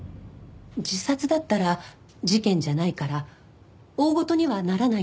自殺だったら事件じゃないから大ごとにはならないんでしょ？